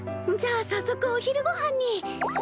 じゃあさっそくお昼ごはんに！